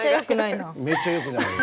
めっちゃよくないな。